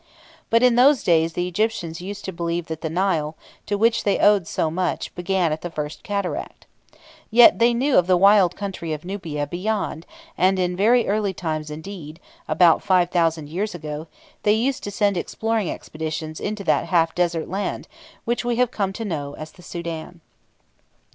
But in those days the Egyptians used to believe that the Nile, to which they owed so much, began at the First Cataract. Yet they knew of the wild country of Nubia beyond and, in very early times indeed, about 5,000 years ago, they used to send exploring expeditions into that half desert land which we have come to know as the Soudan.